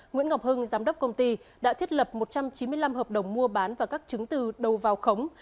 nguyễn ngọc hưng giám đốc công ty đã thiết lập một trăm chín mươi năm hợp đồng mua bán và các chứng từ đầu vào khống